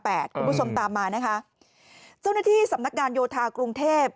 ผู้ชมตามมาเจ้าหน้าที่สำนักงานโยทางกรุงเทพฯ